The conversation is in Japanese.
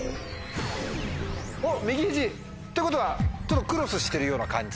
おっ右ひじ。ってことはちょっとクロスしてるような感じ？